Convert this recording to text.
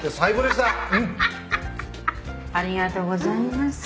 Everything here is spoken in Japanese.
ありがとうございます。